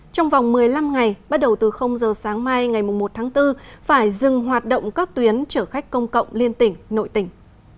trong vòng một mươi năm ngày bắt đầu từ giờ sáng mai ngày một tháng bốn phải dừng hoạt động các tuyến chở khách công cộng liên tỉnh nội tỉnh